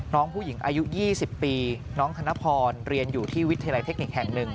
น้องผู้หญิงอายุ๒๐ปีน้องธนพรเรียนอยู่ที่วิทยาลัยเทคนิคแห่งหนึ่ง